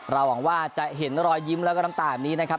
หวังว่าจะเห็นรอยยิ้มแล้วก็น้ำตาแบบนี้นะครับ